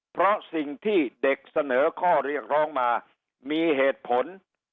เพราะสิ่งที่เด็กเสนอข้อเรียกร้องมามีเหตุผล